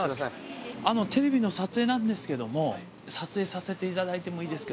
あのテレビの撮影なんですけども撮影させていただいてもいいですか？